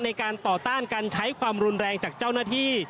ในการต่อต้านการใช้ความรุนแรงจากเจ้าหน้าที่